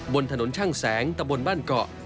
บนถนนช่างแสงตะบนบ้านเกาะ